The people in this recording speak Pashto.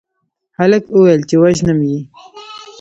هلک وويل چې وژنم يې